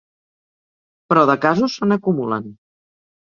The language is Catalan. Però de casos se n’acumulen.